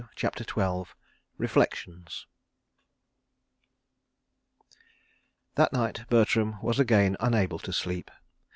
CHAPTER XII Reflections That night Bertram was again unable to sleep.